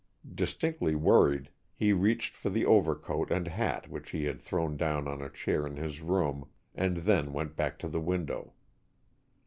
Distinctly worried, he reached for the overcoat and hat which he had thrown down on a chair in his room, and then went back to the window.